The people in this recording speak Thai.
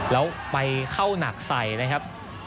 แล้วไปเข้าหนักใส่นะครับ